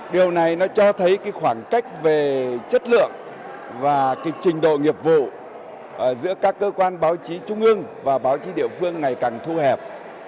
điều này nó cho thấy khoảng cách về chất lượng và cái trình độ nghiệp vụ giữa các cơ quan báo chí trung ương và báo chí địa phương ngày càng thu hẹp